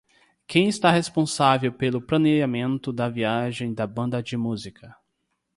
Quem está responsável pelo planeamento da viagem da banda de música?